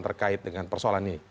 terkait dengan persoalan ini